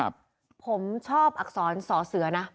ผมชอบอักษรสอเสือนะ